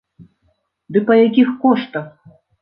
Ды па якіх коштах!